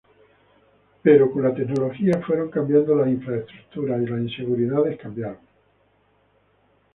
Pero con la tecnología fueron cambiando las infraestructuras y las inseguridades cambiaron.